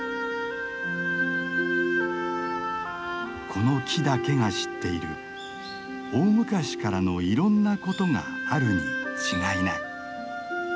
この木だけが知っている大昔からのいろんなことがあるに違いない。